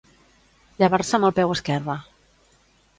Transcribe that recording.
Llevar-se amb el peu esquerre